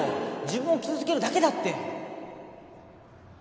自分を傷つけるだけだって